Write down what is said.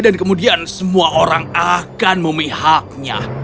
kemudian semua orang akan memihaknya